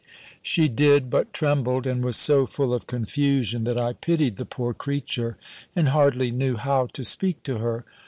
She did, but trembled, and was so full of confusion, that I pitied the poor creature, and hardly knew how to speak to her.